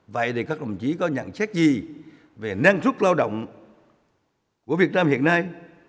vậy thì các đồng chí có nhận xét gì về năng suất lao động của việt nam hiện nay